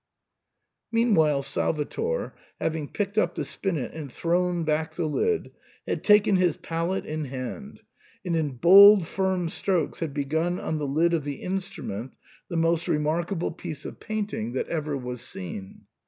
Meanwhile Salvator, having picked up the spinet and thrown back the lid, had taken his palette in hand, and in bold firm strokes had begun on the lid of the instrument the most remarkable piece of painting that ever was seen.